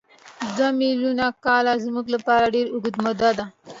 دوه میلیونه کاله زموږ لپاره ډېره اوږده موده ده.